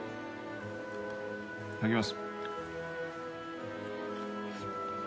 いただきます。